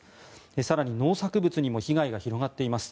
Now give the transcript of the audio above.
更に、農作物にも被害が広がっています。